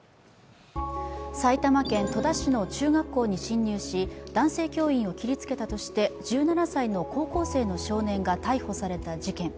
埼玉県戸田市の中学校に侵入し男性教員を切りつけたとして１７歳の高校生の少年が逮捕された事件。